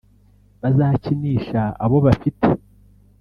bazakinisha abo bafite